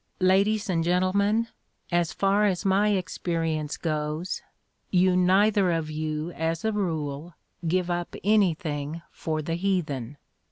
"Ladies and gentlemen, as far as my experience goes, you neither of you as a rule give up anything for the heathen.